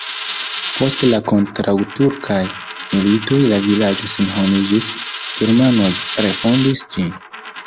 Post la kontraŭturkaj militoj la vilaĝo senhomiĝis, germanoj refondis ĝin.